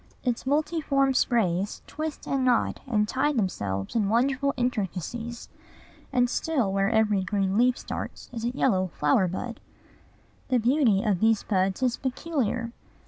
Its multiform sprays twist and knot and tie themselves in wonderful intricacies; and still where every green leaf starts is a yellow flower bud. The beauty of these buds is peculiar.